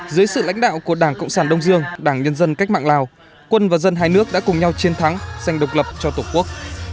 dưới sự lãnh đạo của đảng cộng sản đông dương đảng nhân dân cách mạng lào quân và dân hai nước đã cùng nhau chiến thắng dành độc lập cho tổ quốc